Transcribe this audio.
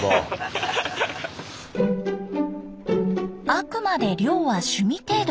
あくまで漁は趣味程度。